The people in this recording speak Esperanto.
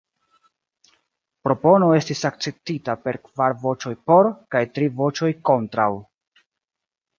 Propono estis akceptita per kvar voĉoj "por" kaj tri voĉoj "kontraŭ".